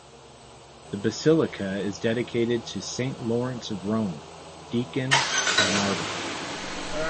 The basilica is dedicated to Saint Lawrence of Rome, deacon and martyr.